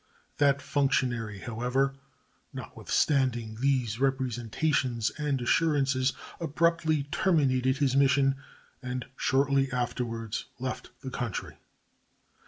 That functionary, however, notwithstanding these representations and assurances, abruptly terminated his mission and shortly afterwards left the country.